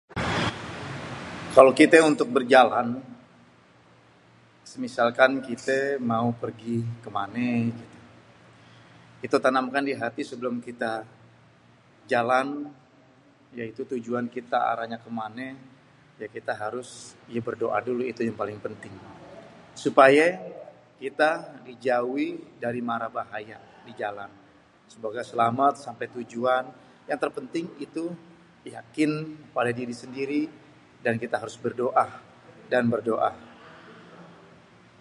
Kalo kité untuk berjalan, semisalkan kité mau pergi kemané gitu, itu tanam kan di hati sebelum kita jalan yaitu tujuan kita arahnye kemane ya kita harus berdoa dulu ya paling penting, supayé kita dijauhi dari marabahaya di jalan semoga selamet sampe tujuan yang terpenting itu yakin pada diri sendiri dan kita harus berdoa dan berdoa.